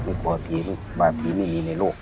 ไม่กลัวพี่ไม่มีที่มีในโลก